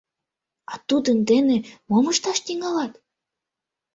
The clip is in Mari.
А тудын дене мом ышташ тӱҥалат?